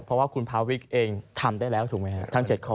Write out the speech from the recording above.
เพราะว่าคุณพาวิกเองทำได้แล้วถูกไหมครับทั้ง๗ข้อ